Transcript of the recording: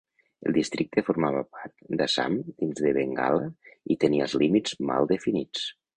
El districte formava part d'Assam dins de Bengala i tenia els límits mal definits.